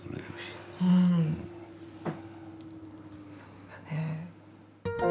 そうだね。